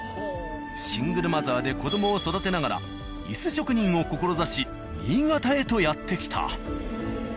シングルマザーで子供を育てながら椅子職人を志し新潟へとやって来た。